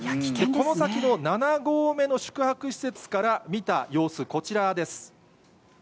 この先の７合目の宿泊施設から見た様子、こちらです。